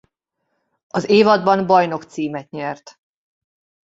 Az évadban bajnok címet nyert.